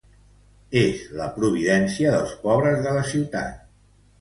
És la providència dels pobres de la ciutat.